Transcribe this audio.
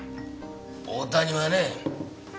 大谷はね